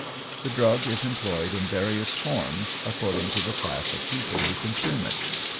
The drug is employed in various forms, according to the class of people who consume it.